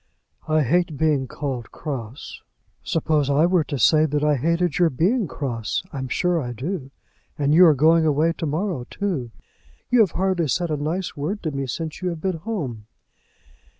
"I hate being called cross." "Suppose I were to say that I hated your being cross. I'm sure I do; and you are going away to morrow, too. You have hardly said a nice word to me since you have been home."